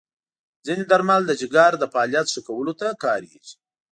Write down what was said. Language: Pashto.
ځینې درمل د جګر د فعالیت ښه کولو ته کارېږي.